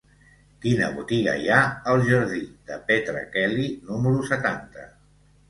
Quina botiga hi ha al jardí de Petra Kelly número setanta?